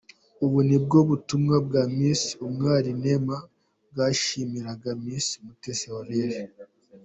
Ubu nibwo butumwa bwa Miss Umwali Neema bwashimiraga Miss Mutesi Aurore.